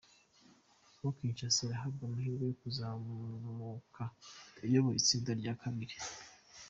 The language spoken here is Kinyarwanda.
Congo Kinshasa irahabwa amahirwe yo kuzamuka iyoboye itsinda rya kabiri.